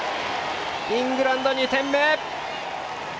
イングランド２点目！